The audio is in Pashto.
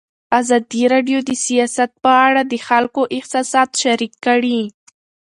ازادي راډیو د سیاست په اړه د خلکو احساسات شریک کړي.